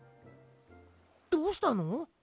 どうしたの？